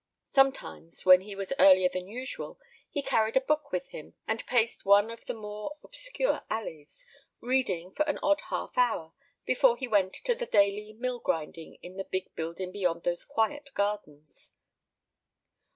Sometimes, when he was earlier than usual, he carried a book with him, and paced one of the more obscure alleys, reading for an odd half hour before he went to the daily mill grinding in the big building beyond those quiet gardens.